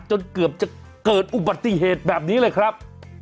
จนเกือบจะเกิดอุบัติเหตุแบบนี้เลยครับ